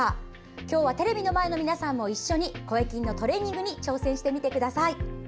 今日はテレビの前の皆さんも一緒に声筋のトレーニングに挑戦してみてください。